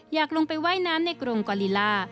อยากลงไปว่ายน้ำในกรุงกอลิล่า